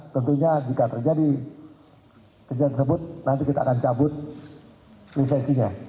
tentunya jika terjadi kejadian tersebut nanti kita akan cabut lisensinya